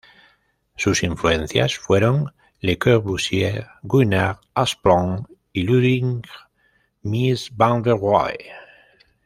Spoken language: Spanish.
Sus influencias fueron Le Corbusier, Gunnar Asplund, y Ludwig Mies van der Rohe.